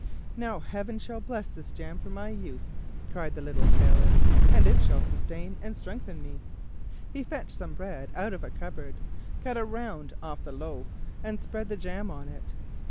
"Now Heaven shall bless this jam for my use," cried the little Tailor, "and it shall sustain and strengthen me." He fetched some bread out of a cupboard, cut a round off the loaf, and spread the jam on it.